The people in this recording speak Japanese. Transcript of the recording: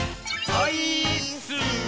オイーッス！